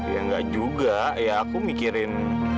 ya enggak juga ya aku mikirin